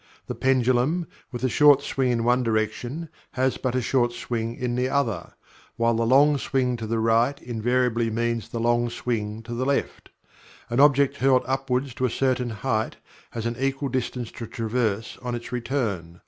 The pendulum, with a short swing in one direction, has but a short swing in the other; while the long swing to the right invariably means the long swing to the left. An object hurled upward to a certain height has an equal distance to traverse on its return.